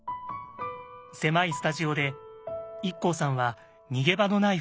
狭いスタジオでＩＫＫＯさんは“逃げ場のない”不安に襲われます。